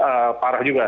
cukup parah juga